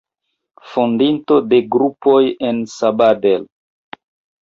Fondinto de grupoj en Sabadell.